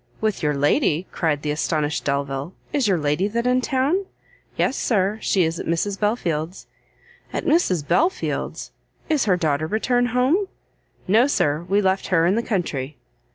"With your lady?" cried the astonished Delvile, is your lady then in town?" "Yes, sir, she is at Mrs Belfield's." "At Mrs Belfield's? is her daughter returned home? "No, sir, we left her in the country."